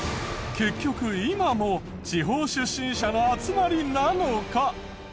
結局今も地方出身者の集まりなのか？